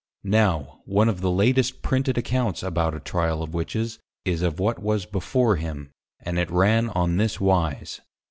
_ Now, one of the latest Printed Accounts about a Tryal of Witches, is of what was before him, and it ran on this wise.